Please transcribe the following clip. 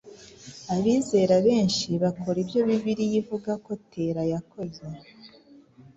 Abizera benshi bakora ibyo Bibiliya ivuga ko Tera yakoze.